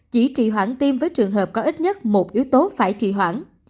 chỉ trì hoãn tiêm với trường hợp có ít nhất một yếu tố phải trì hoãn